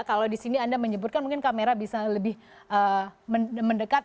kalau di sini anda menyebutkan mungkin kamera bisa lebih mendekat